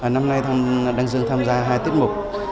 năm nay đăng dương tham gia hai tiết mục